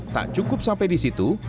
tak cukup sampai di situ